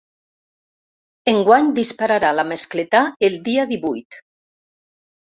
Enguany dispararà la ‘mascletà’ el dia divuit.